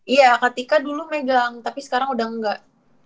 iya ketika dulu megang tapi sekarang udah enggak